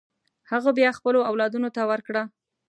هغه بیا خپلو اولادونو ته ورکړه.